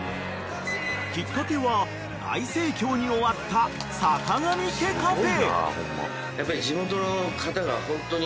［きっかけは大盛況に終わったさかがみ家カフェ］